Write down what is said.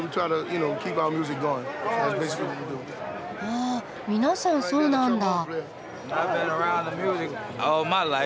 あ皆さんそうなんだ。